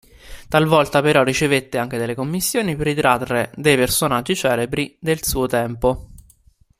Talvolta però ricevette anche delle commissioni per ritrarre dei personaggi celebri del suo tempo.